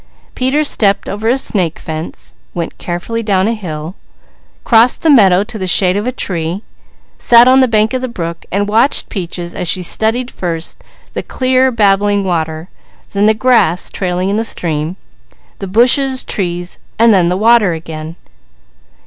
Peter stepped over a snake fence, went carefully down a hill, crossed the meadow to the shade of a tree, sat on the bank of the brook and watched Peaches as she studied first the clear babbling water, then the grass trailing in the stream, the bushes, trees, and then the water again.